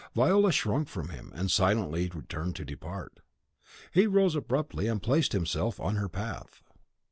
Viola shrunk from him, and silently turned to depart. He rose abruptly and placed himself on her path.